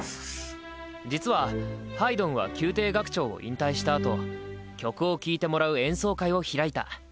実はハイドンは宮廷楽長を引退したあと曲を聴いてもらう演奏会を開いた。